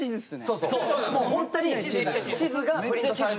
そうそう！